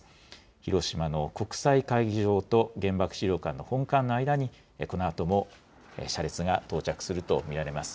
広島の国際会議場と原爆資料館の本館の間に、このあとも車列が到着すると見られます。